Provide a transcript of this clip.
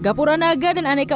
gapura naga dan aneka